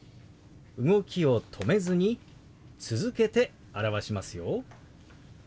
動きを止めずに続けて表しますよ。